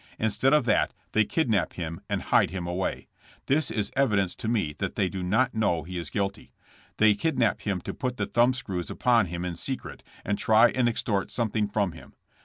Instead of that they kidnap him and hide him away. That is evi. dence to me that they do not know he is guilty. They kidnap him to put the thumb screws upon him in secret and try and extort something from him.